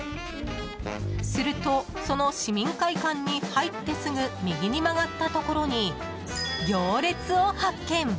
すると、その市民会館に入ってすぐ右に曲がったところに行列を発見。